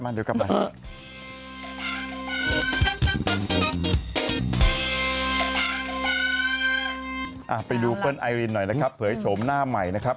และไปดูภาพเธออันนี้ครับ